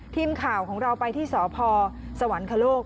ทีมข่าวของเราไปที่สพสวรรคโลก